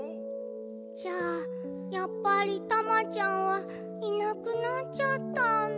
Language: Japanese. じゃあやっぱりタマちゃんはいなくなっちゃったんだ。